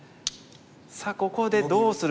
さあここでどうするか。